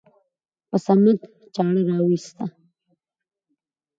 په صمد چاړه راوېسته.